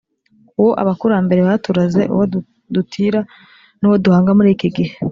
uwo abakurambere baturaze, uwo dutira n’uwo duhanga muri iki gihe.